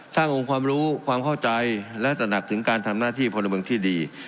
องค์ความรู้ความเข้าใจและตระหนักถึงการทำหน้าที่พลเมืองที่ดี